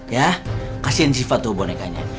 ya kasihin siva tuh bonekanya